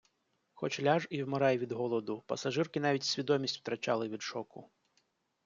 Хоч ляж і вмирай від голоду, пасажирки навіть свідомість втрачали від шоку.